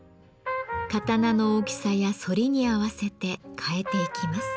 刀の大きさや反りに合わせて変えていきます。